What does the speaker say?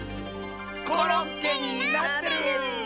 コロッケになってる！